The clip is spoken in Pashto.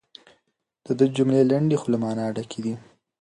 د ده جملې لنډې خو له مانا ډکې دي.